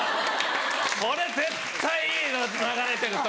これ絶対いいの流れてる時。